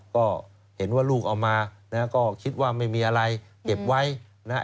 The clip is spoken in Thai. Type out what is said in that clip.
ก็เห็นว่าลูกเอามานะฮะก็คิดว่าไม่มีอะไรเก็บไว้นะฮะ